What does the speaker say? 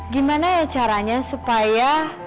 gimana ya caranya supaya